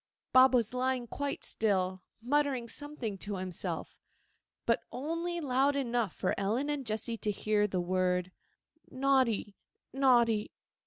Bob was lying quite still, muttering something to himself, but only loud enough for Ellen and Jessy to hear the word 'Naughty, naughty.